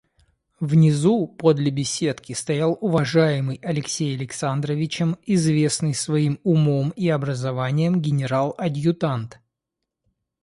Внизу подле беседки стоял уважаемый Алексей Александровичем, известный своим умом и образованием генерал-адъютант.